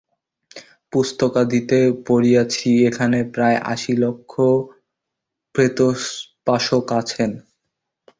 পুস্তকাদিতে পড়িয়াছি, এখানে প্রায় আশী লক্ষ প্রেতোপাসক আছেন।